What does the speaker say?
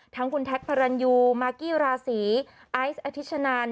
ทั้งคุณแท็กพระรันยูมากกี้ราศีไอซ์อธิชนัน